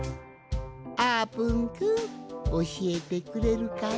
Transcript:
あーぷんくんおしえてくれるかの？